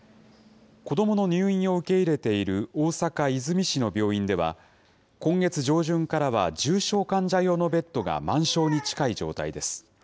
子どもの入院を受け入れている大阪・和泉市の病院では、今月上旬からは重症患者用のベッドが満床に近い状態です。